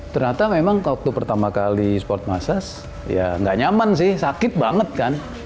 ternyata memang waktu pertama kali sport massage ya nggak nyaman sih sakit banget kan